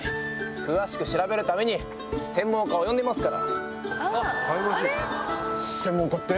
詳しく調べるために専門家を呼んでいますから。